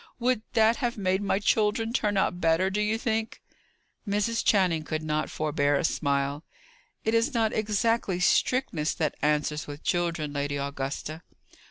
"Would that have made my children turn out better, do you think?" Mrs. Channing could not forbear a smile. "It is not exactly strictness that answers with children, Lady Augusta."